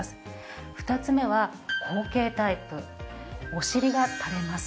お尻がたれます。